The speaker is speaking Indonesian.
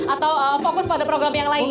atau fokus pada program yang lain ya